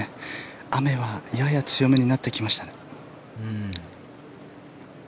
雨はやや強めになってきましたね。